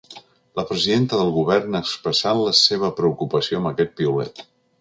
La presidenta del govern ha expressat la seva preocupació amb aquest piulet.